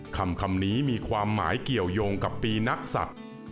คำนี้มีความหมายเกี่ยวยงกับปีนักศัตริย์